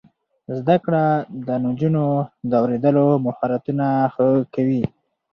زده کړه د نجونو د اوریدلو مهارتونه ښه کوي.